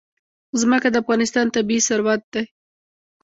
ځمکه د افغانستان طبعي ثروت دی.